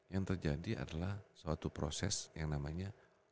yang terjadi adalah suatu proses yang namanya